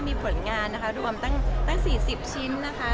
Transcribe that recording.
มีผลงานรวม๔๐ชิ้นนะคะ